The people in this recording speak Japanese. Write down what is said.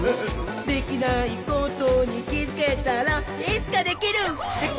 「できないことにきづけたらいつかできるひゃっほ」